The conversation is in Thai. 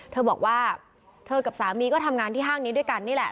เธอบอกว่าเธอกับสามีก็ทำงานที่ห้างนี้ด้วยกันนี่แหละ